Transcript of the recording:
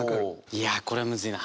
いやこれはムズいな。